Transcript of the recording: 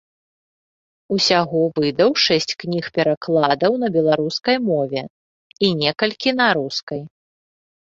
Усяго выдаў шэсць кніг перакладаў на беларускай мове і некалькі на рускай.